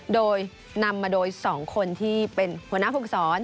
โดยนำมาโดย๒คนที่เป็นหัวหน้าภูมิสอน